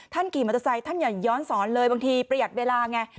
ขี่มอเตอร์ไซค์ท่านอย่าย้อนสอนเลยบางทีประหยัดเวลาไง